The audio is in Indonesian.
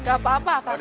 gak apa apa kak abah